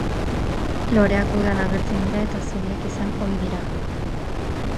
Loreak udan agertzen dira eta zuriak izan ohi dira.